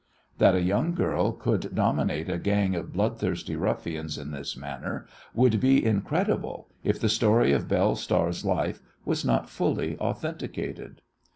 That a young girl could dominate a gang of bloodthirsty ruffians in this manner would be incredible if the story of Belle Star's life was not fully authenticated.